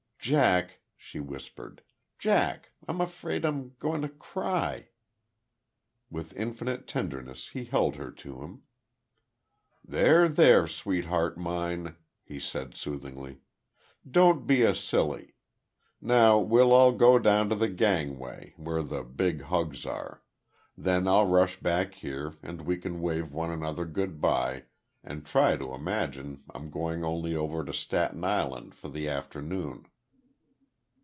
"Jack," she whispered. "Jack, I'm afraid I'm going to cry." With infinite tenderness he held her to him. "There, there, sweetheart mine," he said, soothingly. "Don't be a silly.... Now we'll all go down to the gangway, where the big hugs are.... Then I'll rush back here and we can wave one another good bye and try to imagine I'm going only over to Staten Island for the afternoon."